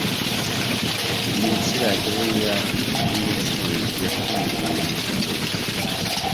Niki Radio ya yubucuruzi yafunguye mubwongereza